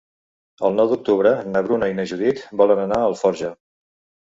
El nou d'octubre na Bruna i na Judit volen anar a Alforja.